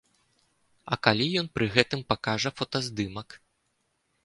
А калі ён пры гэтым пакажа фотаздымак?